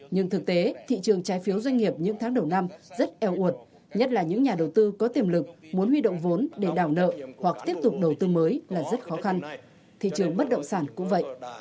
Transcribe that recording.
nhưng thực tế thị trường trái phiếu doanh nghiệp những tháng đầu năm rất eo uột nhất là những nhà đầu tư có tiềm lực muốn huy động vốn để đảo nợ hoặc tiếp tục đầu tư mới là rất khó khăn thị trường bất động sản cũng vậy